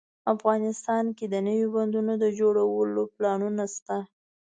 افغانستان کې د نوي بندونو د جوړولو پلانونه شته